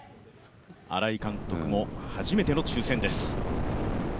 新井監督も初めての抽選です。